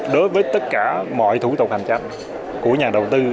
đối với tất cả mọi thủ tục hành tranh của nhà đầu tư